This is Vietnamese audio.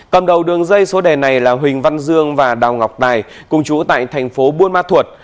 cầm đầu đường dây số đề này là huỳnh văn dương và đào ngọc đài cùng chú tại tp buôn ma thuột